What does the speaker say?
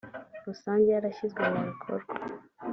rusange yarashyizwe mubikorwa